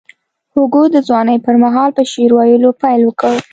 هوګو د ځوانۍ پر مهال په شعر ویلو پیل وکړ.